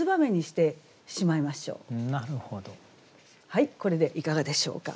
はいこれでいかがでしょうか。